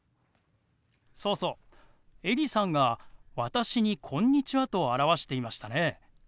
そうそうエリさんが私に「こんにちは」と表していましたね。